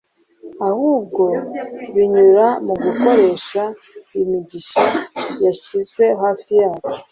ahubwo binyura mu gukoresha imigisha yashyizwe hafi yacu.